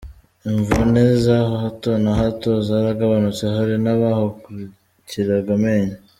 Imvune za hato na hato zaragabanutse, hari n’abahukiraga amenyo ….